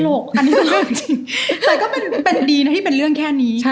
ตลกแต่ก็เป็นดีนะที่เป็นเรื่องแค่นี้